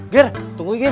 ger tunggu ger